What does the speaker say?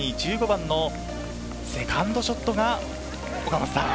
１５番のセカンドショットが。